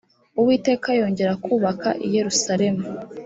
uwiteka yongera kubaka i yerusalemu.